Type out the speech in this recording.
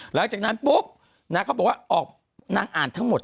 หลังจากนั้นปุ๊บนางเขาบอกว่าออกนางอ่านทั้งหมด